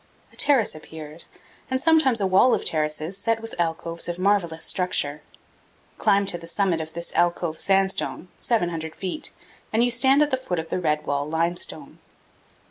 A terrace appears, and sometimes a wall of terraces set with alcoves of marvelous structure. Climb to the summit of this alcove sandstone 700 feet and you stand at the foot of the red wall limestone.